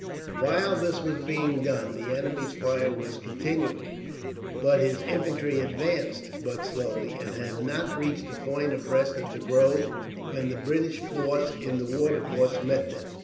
While this was being done the enemy's fire was continuing, but his infantry advanced but slowly, and had not reached a point abreast of the grove when the British force in the watercourse met them.